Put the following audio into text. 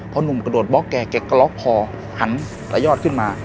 พอหนุ่มกระโดดบล็อกแกแกก็ล็อกคอหันละยอดขึ้นมา